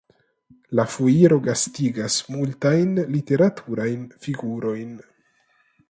La foiro gastigas multajn literaturajn figurojn.